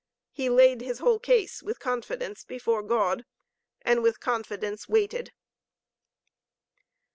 He laid his whole case with confidence before God, and with confidence waited.